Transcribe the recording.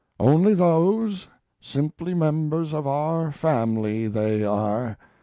Only those simply members of our family they are.